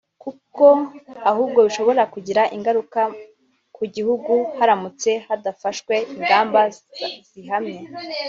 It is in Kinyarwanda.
kuko ahubwo bishobora kugira ingaruka ku gihugu haramutse hadafashwe ingamba zihamye